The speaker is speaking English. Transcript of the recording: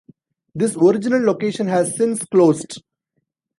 This original location has since closed.